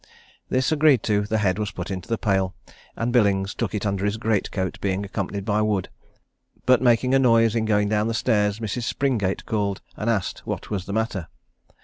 This agreed to, the head was put into the pail, and Billings took it under his great coat, being accompanied by Wood; but, making a noise in going down stairs, Mrs. Springate called, and asked what was the matter?